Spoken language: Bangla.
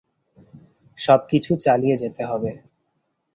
সবকিছু চালিয়ে যেতে হবে।